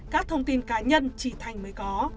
các thông tin cá nhân chỉ thanh mới có